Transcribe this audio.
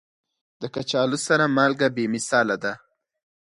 د کچالو سره مالګه بې مثاله ده.